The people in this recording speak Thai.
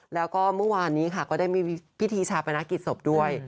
แล้วก็เมื่อวานนี้ค่ะก็ได้มีพิธีชาปนกิจศพด้วย